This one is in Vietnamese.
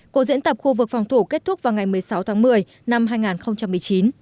cuộc diễn tập khu vực phòng thủ kết thúc vào ngày một mươi sáu tháng một mươi năm hai nghìn một mươi chín